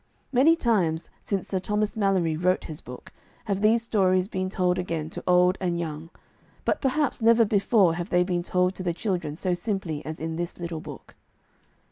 Many times, since Sir Thomas Malory wrote his book, have these stories been told again to old and young, but perhaps never before have they been told to the children so simply as in this little book.